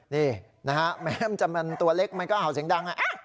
นี่นะฮะแม้มันตัวเล็กมันก็เห่าเสียงดัง